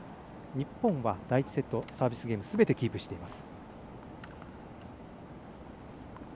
日本は、第１セットサービスゲームすべてキープしています。